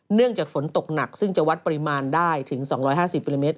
เนื่องจากฝนตกหนักซึ่งจะวัดปริมาณได้ถึง๒๕๐มิลลิเมตร